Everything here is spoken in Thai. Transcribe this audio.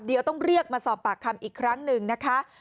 เดี๋ยวต้องเรียกมาสอบปากคำอีกครั้งหนึ่งนะคะ